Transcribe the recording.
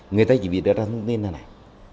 người ta chỉ biết đưa ra thông tin là này